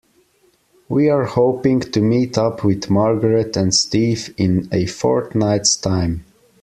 We are hoping to meet up with Margaret and Steve in a fortnight's time.